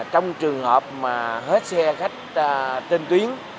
trong trường hợp mà hết xe khách tên tuyến